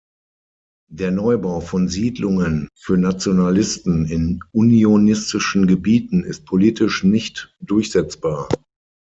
Der Neubau von Siedlungen für Nationalisten in unionistischen Gebieten ist politisch nicht durchsetzbar.